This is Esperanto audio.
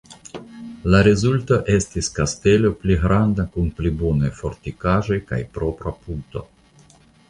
La rezulto estis kastelo pli granda kun pli bonaj fortikaĵoj kaj propra puto.